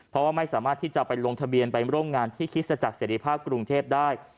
เพราะว่าไม่สามารถที่จะไปลงทะเบียนไปร่วมงานที่คริสตจักรเสรีภาพกรุงเทพได้